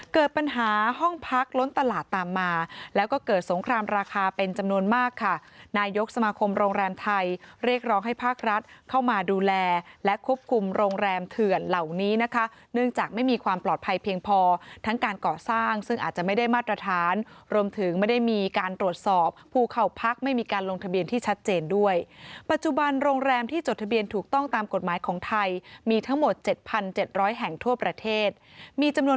เกิดปัญหาห้องพักล้นตลาดตามมาแล้วก็เกิดสงครามราคาเป็นจำนวนมากค่ะนายกสมาคมโรงแรมไทยเรียกร้องให้ภาครัฐเข้ามาดูแลและควบคุมโรงแรมเถื่อนเหล่านี้นะคะเนื่องจากไม่มีความปลอดภัยเพียงพอทั้งการก่อสร้างซึ่งอาจจะไม่ได้มาตรฐานรวมถึงไม่ได้มีการตรวจสอบผู้เข้าพักไม่มีการลงทะเบียนที่ช